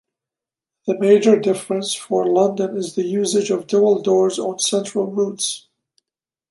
The major difference for London is the usage of dual doors on central routes.